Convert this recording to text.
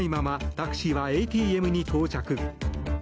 タクシーはＡＴＭに到着。